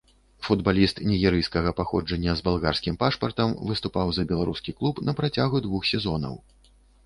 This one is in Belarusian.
Футбаліст нігерыйскага паходжання з балгарскім пашпартам выступаў за беларускі клуб на працягу двух сезонаў.